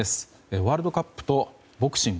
ワールドカップとボクシング。